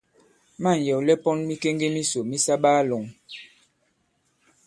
Ma᷇ŋ yɛ̀wlɛ pɔn mikeŋge misò mi sa baa-lɔ̄ŋ.